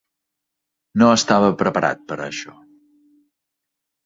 No estava preparat per a això.